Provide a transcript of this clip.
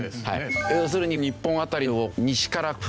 要するに日本辺りを西から吹く風。